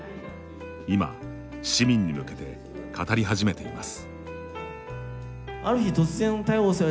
今、市民に向けて語り始めています。